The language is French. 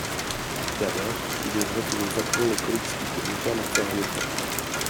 D’abord, il est vrai que nous appelons les collectivités locales à faire un effort.